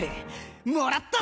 もらった！